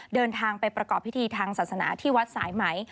เดินทางไปประกอบพิธีทางศาสนาที่วัดสายไหม